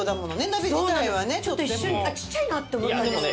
ちょっと一瞬ちっちゃいなと思ったんですけど。